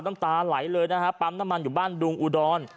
น้ำตาไหลเลยนะฮะปั๊มน้ำมันอยู่บ้านดุงอุดร